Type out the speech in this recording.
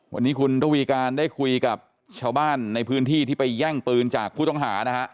วันนี้คุณระวีการได้คุยกับชาวบ้านในพื้นที่ที่ไปแย่งปืนจากผู้ต้องหานะฮะ